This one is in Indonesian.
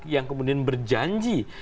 yang kemudian berjanji